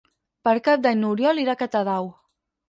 Per Cap d'Any n'Oriol irà a Catadau.